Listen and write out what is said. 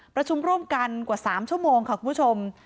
ประชุมร่วมกันกว่า๓ชั่วโมงค่ะคุณผู้ชม